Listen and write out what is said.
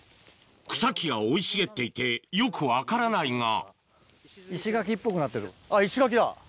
草木が生い茂っていてよく分からないがあっ石垣だ。